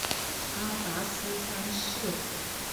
阿拔斯三世。